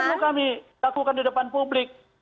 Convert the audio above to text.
yang perlu kami lakukan di depan publik